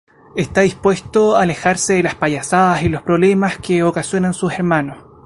Está dispuesto a alejarse de las payasadas y los problemas que ocasionan sus hermanos.